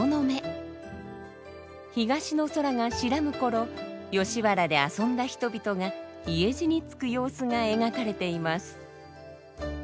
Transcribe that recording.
東の空が白む頃吉原で遊んだ人々が家路につく様子が描かれています。